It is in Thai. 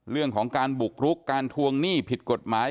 เรื่องของการบุกรุกการทวงหนี้ผิดกฎหมาย